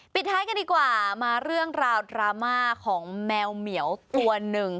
ปิดท้ายกันดีกว่ามาเรื่องราวดราม่าของแมวเหมียวตัวหนึ่ง